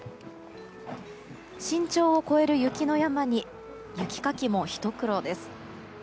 身長を超える雪の山に雪かきもひと苦労です。